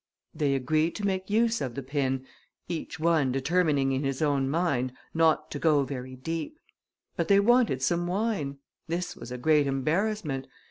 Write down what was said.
They agreed to make use of the pin, each one determining in his own mind not to go very deep. But they wanted some wine; this was a great embarrassment.